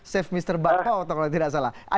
save mr bakpao kalau tidak salah